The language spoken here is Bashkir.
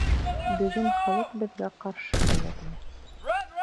Бөгөн халыҡ беҙгә ҡаршы булыр ине.